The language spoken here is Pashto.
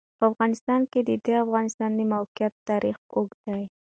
په افغانستان کې د د افغانستان د موقعیت تاریخ اوږد دی.